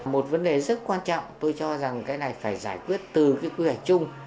một vấn đề rất quan trọng tôi cho rằng cái này phải giải quyết từ cái quy hoạch chung